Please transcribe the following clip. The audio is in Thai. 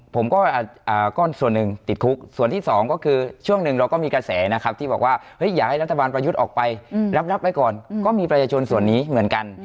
ผมก็ส่วนหนึ่งติดคุกส่วนที่สองก็คือช่วงหนึ่งเราก็มีกระแสนะครับที่บอกว่าอยากให้รัฐบาลประยุทธ์ออกไปรับไว้ก่อนก็มีประชาชนส่วนนี้เหมือนกัน